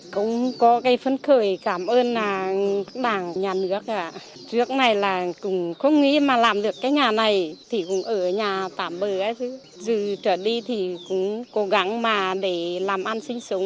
cũng có cái phấn khởi cảm ơn đảng nhà nước trước này là cũng không nghĩ mà làm được cái nhà này thì cũng ở nhà tạm bờ chứ trở đi thì cũng cố gắng mà để làm ăn sinh sống